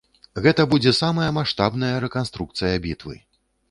Гэта будзе самая маштабная рэканструкцыя бітвы.